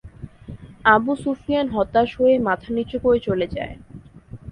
আবু সুফিয়ান হতাশ হয়ে মাথা নিচু করে চলে যায়।